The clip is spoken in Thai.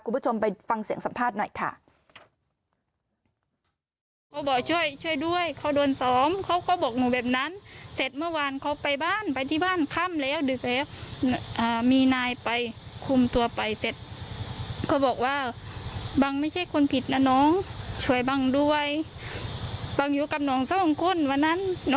คุณผู้ชมไปฟังเสียงสัมภาษณ์หน่อยค่ะ